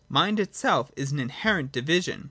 Mind itself is an inherent division.